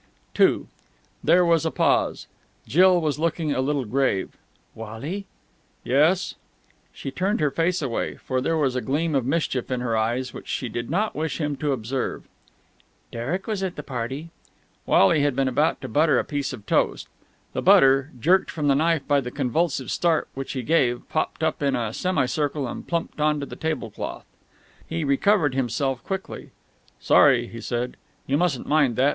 II There was a pause. Jill was looking a little grave. "Wally!" "Yes?" She turned her face away, for there was a gleam of mischief in her eyes which she did not wish him to observe. "Derek was at the party!" Wally had been about to butter a piece of toast. The butter, jerked from the knife by the convulsive start which he gave, popped up in a semi circle and plumped on to the tablecloth. He recovered himself quickly. "Sorry!" he said. "You mustn't mind that.